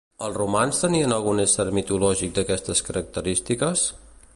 Els romans tenien algun ésser mitològic d'aquestes característiques?